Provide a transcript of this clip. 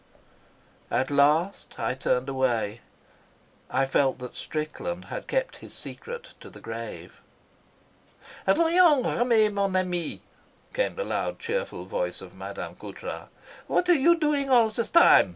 At last I turned away. I felt that Strickland had kept his secret to the grave. "," came the loud, cheerful voice of Madame Coutras, "what are you doing all this time?